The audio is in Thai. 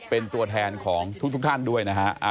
เป็นตัวแทนของทุกท่านด้วยนะฮะ